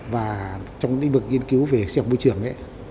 và trong lĩnh bực nghiên cứu về sẻo môi trường